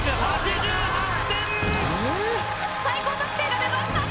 最高得点が出ました！